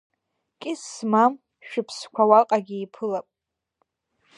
Кьыс змам шәыԥсқәа уаҟагь еиԥылап.